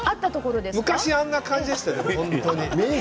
昔あんな感じでしたよ、本当に。